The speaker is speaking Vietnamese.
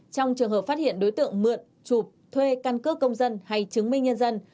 trong trường hợp phát hiện đối tượng mượn chụp thuê căn cước công dân hay chứng minh nhân dân